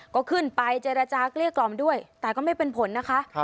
ก็ขึ้นไปเจรจาเกลี้ยกล่อมด้วยแต่ก็ไม่เป็นผลนะคะ